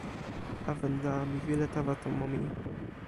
awen la mi wile tawa tomo mi.